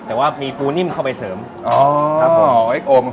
แต่ว่ามีปูนิ่มเข้าไปเสริม